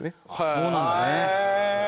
そうなんだね。